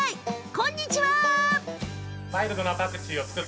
こんにちは。